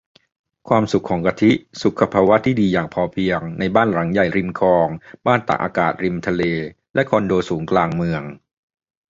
ความสุขของกะทิ สุขภาวะที่ดีอย่างพอเพียง ในบ้านใหญ่ริมคลอง บ้านตากอากาศริมทะเล และคอนโดสูงกลางเมือง